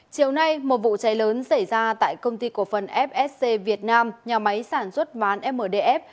chiều nay một vụ cháy lớn xảy ra tại công ty cổ phần fsc việt nam nhà máy sản xuất mán mdf